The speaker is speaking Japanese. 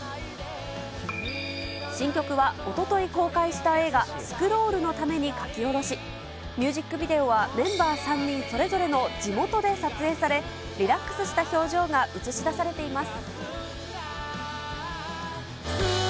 新曲は、おととい公開した映画、スクロールのために書き下ろし、ミュージックビデオはメンバー３人それぞれの地元で撮影され、リラックスした表情が映し出されています。